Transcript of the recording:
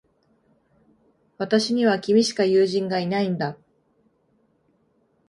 私には、君しか友人がいないんだ。